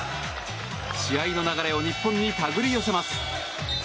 試合の流れを日本に手繰り寄せます。